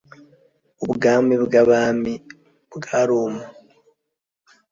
ubwami bw' abami bwa roma